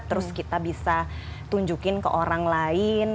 terus kita bisa tunjukin ke orang lain